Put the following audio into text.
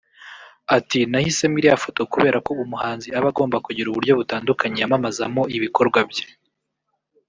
Ati” Nahisemo iriya foto kubera ko umuhanzi aba agomba kugira uburyo butandukanye yamamazamo ibikorwa bye